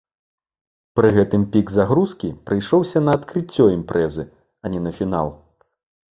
Пры гэтым пік загрузкі прыйшоўся на адкрыццё імпрэзы, а не на фінал.